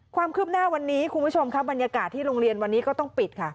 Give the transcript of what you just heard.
ความคืบหน้าวันนี้คุณผู้ชมค่ะบรรยากาศที่โรงเรียนวันนี้ก็ต้องปิดค่ะ